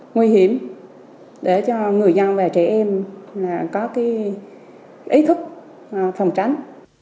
nguy hiểm để cho người dân và trẻ em có ý thức phòng tránh